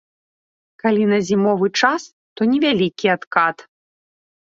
Калі на зімовы час, то невялікі адкат.